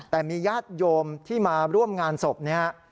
แต่มีญาติโยมที่มาร่วมงานศพเนี่ย